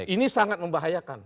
ini sangat membahayakan